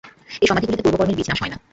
এই সমাধিগুলিতে পূর্বকর্মের বীজ নাশ হয় না।